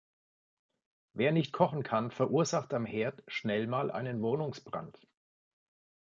Wer nicht kochen kann, verursacht am Herd schnell mal einen Wohnungsbrand.